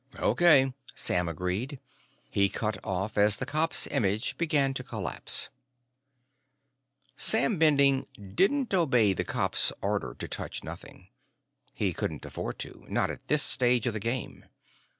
"O.K.," Sam agreed. He cut off as the cop's image began to collapse. Sam Bending didn't obey the cop's order to touch nothing. He couldn't afford to not at this stage of the game.